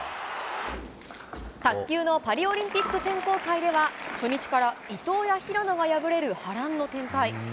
卓球のパリオリンピック選考会では、初日から伊藤や平野が敗れる波乱の展開。